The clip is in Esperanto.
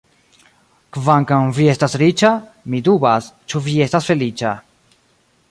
Kvankam vi estas riĉa, mi dubas, ĉu vi estas feliĉa.